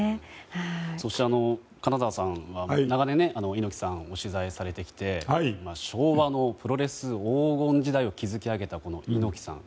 そして金沢さんは長年、猪木さんを取材されてきて昭和のプロレス黄金時代を築き上げた猪木さん。